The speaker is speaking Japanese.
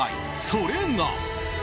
それが。